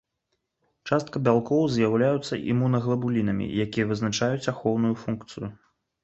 Частка бялкоў з'яўляюцца імунаглабулінамі, якія вызначаюць ахоўную функцыю.